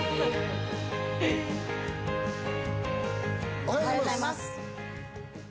おはようございます。